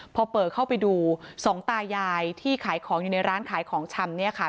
พอเปิดเข้าไปดูสองตายายที่ขายของอยู่ในร้านขายของชำเนี่ยค่ะ